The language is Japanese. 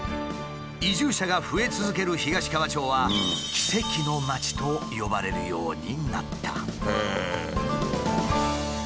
移住者が増え続ける東川町は「奇跡の町」と呼ばれるようになった。